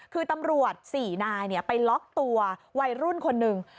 คือตำรวจ๔นายไปล็อกตัววัยรุ่นคนหนึ่ง